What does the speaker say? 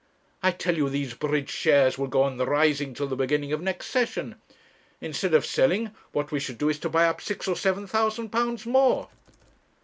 I tell you these bridge shares will go on rising till the beginning of next session. Instead of selling, what we should do is to buy up six or seven thousand pounds more.'